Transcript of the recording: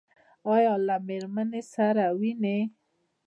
ایا له میرمنې سره وینئ؟